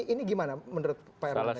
ini gimana menurut pak erlangga